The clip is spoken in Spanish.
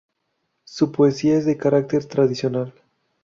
Su poesía es de carácter tradicional.